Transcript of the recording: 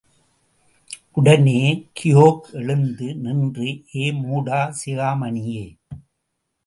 உடனே கியோக் எழுந்து நின்று ஏ மூட சிகாமணியே!